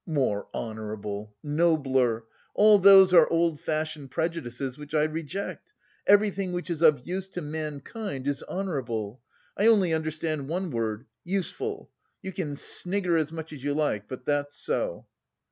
'More honourable,' 'nobler' all those are old fashioned prejudices which I reject. Everything which is of use to mankind is honourable. I only understand one word: useful! You can snigger as much as you like, but that's so!"